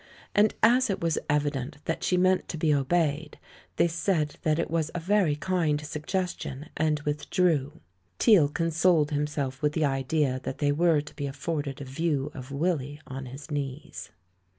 And as it was evident that she meant to be obeyed, they said that it was a very kind suggestion, and withdrew. Teale consoled him self with the idea that they were to be afforded a view of Willy on his knees.